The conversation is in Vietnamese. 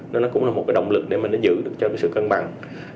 nó cũng là một động lực để giữ được sự cân bằng